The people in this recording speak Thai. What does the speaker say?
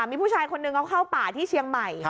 มีผู้ชายคนหนึ่งเขาเข้าป่าที่เชียงใหม่